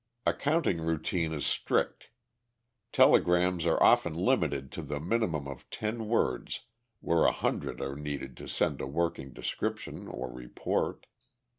Accounting routine is strict. Telegrams are often limited to the minimum of ten words where a hundred are needed to send a working description or report.